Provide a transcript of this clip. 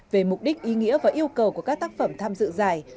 về mục đích ý nghĩa và yêu cầu của các tác phẩm tham dự giải